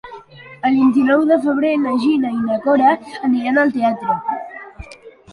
El vint-i-nou de febrer na Gina i na Cora aniran al teatre.